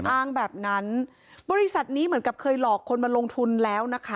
อ้างแบบนั้นบริษัทนี้เหมือนกับเคยหลอกคนมาลงทุนแล้วนะคะ